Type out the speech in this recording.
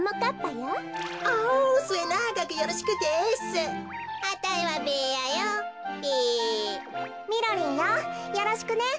よろしくね。